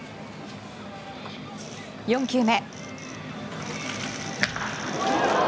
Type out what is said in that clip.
４球目。